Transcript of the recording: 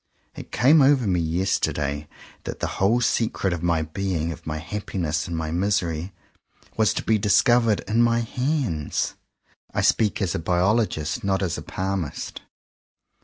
It came over me yesterday that the whole secretof my being, of my happiness and my misery, was to be discovered in my hands. I speak as a biologist, not as a palmist.